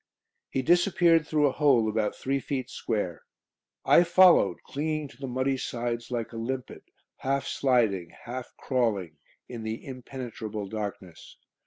He disappeared through a hole about three feet square. I followed, clinging to the muddy sides like a limpet, half sliding, half crawling, in the impenetrable darkness.